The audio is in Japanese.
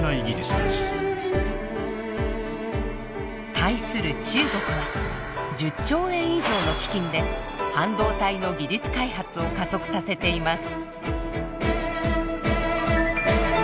対する中国は１０兆円以上の基金で半導体の技術開発を加速させています。